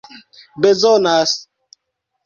bezonas